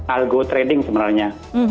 algo trading sebenarnya